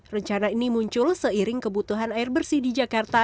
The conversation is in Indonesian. rencana ini muncul seiring kebutuhan air bersih di jakarta